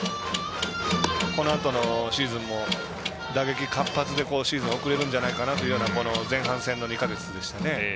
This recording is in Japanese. このあとのシーズンも打撃、活発で今シーズン送れるんじゃないかなという前半戦の２か月でしたね。